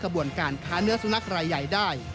บวนการค้าเนื้อสุนัขรายใหญ่ได้